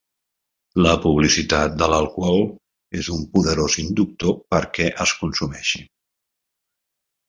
La publicitat de l'alcohol és un poderós inductor perquè es consumeixi.